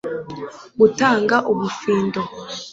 gutanga ubufindo